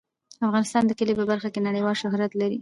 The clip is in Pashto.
افغانستان د کلي په برخه کې نړیوال شهرت لري.